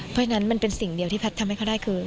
เพราะฉะนั้นมันเป็นสิ่งเดียวที่แพทย์ทำให้เขาได้คือ